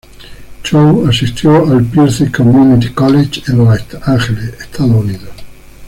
Chou asistió al Pierce Community College en Los Ángeles, Estados Unidos.